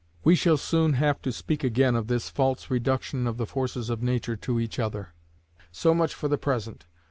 We shall soon have to speak again of this false reduction of the forces of nature to each other; so much for the present.